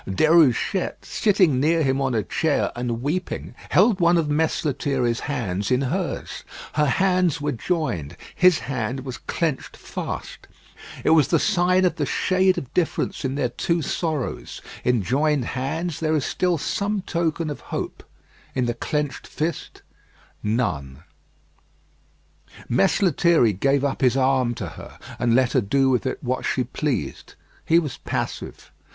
Déruchette, sitting near him on a chair and weeping, held one of Mess Lethierry's hands in hers. Her hands were joined: his hand was clenched fast. It was the sign of the shade of difference in their two sorrows. In joined hands there is still some token of hope, in the clenched fist none. Mess Lethierry gave up his arm to her, and let her do with it what she pleased. He was passive.